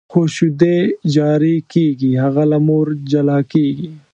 خو شیدې جاري کېږي، هغه له مور جلا کېږي.